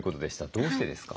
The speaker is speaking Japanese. どうしてですか？